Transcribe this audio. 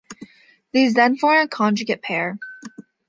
These then form a conjugate pair.